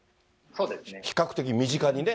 比較的身近にね。